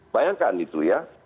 bayangkan itu ya